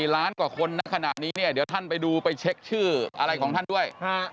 ล้านกว่าคนในขณะนี้เนี่ยเดี๋ยวท่านไปดูไปเช็คชื่ออะไรของท่านด้วย